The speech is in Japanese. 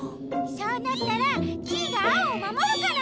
そうなったらキイがアオをまもるから！